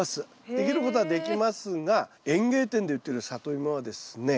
できることはできますが園芸店で売ってるサトイモはですね